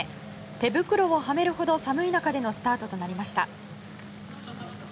手袋をはめるほど寒い中でのスタートとなりました。